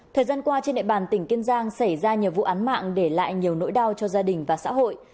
thời gian qua trên địa bàn tỉnh kiên giang xảy ra nhiều vụ án mạng để lại nhiều nỗi đau cho gia đình và xã hội